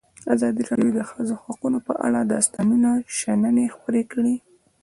ازادي راډیو د د ښځو حقونه په اړه د استادانو شننې خپرې کړي.